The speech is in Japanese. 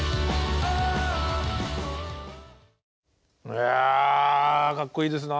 いやかっこいいですな。